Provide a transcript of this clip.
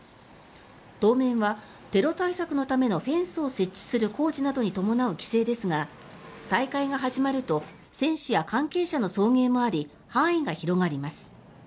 当面はテロ対策のためのフェンスを設置する工事などに伴う規制ですが、大会が始まると選手や関係者の送迎もあり範囲が広がります。